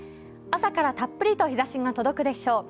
朝からたっぷりと日ざしが届くでしょう。